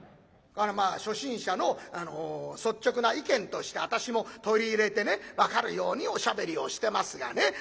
まあ初心者の率直な意見として私も取り入れてね分かるようにおしゃべりをしてますがね。